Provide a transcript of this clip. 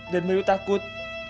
dan bayu takut